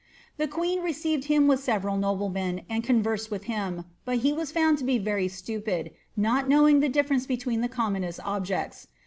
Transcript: * The queen received him with several noblemen, and con versed with him, but he was found to be very stupid, not knowing the difference between the conunonest objects.